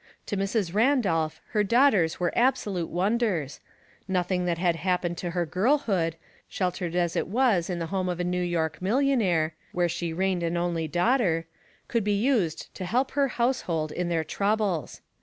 To Mrs. Randolph her daughters were absolute wonders; nothing that had happened to her girlhood, sheltered as it was in the home of a New York millionnaire, where she reigned an only daughter, could be used to help her house hold in their troubles.